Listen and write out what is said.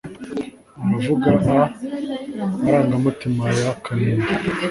aravuga a marangara ya kanimba